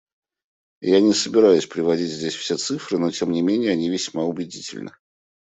Я не собираюсь приводить здесь все цифры, но тем не менее они весьма убедительны.